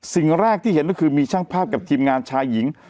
สิ่งแรกที่เห็นก็คือมีช่างภาพกับทีมงานชายหญิง